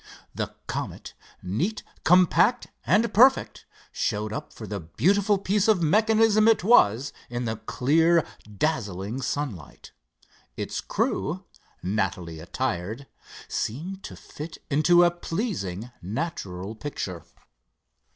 The Comet, neat, compact and perfect, showed up for the beautiful piece of mechanism it was in the clear, dazzling sunlight. Its crew, nattily attired, seemed to fit into a pleasing natural picture.